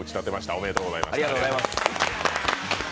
おめでとうございます。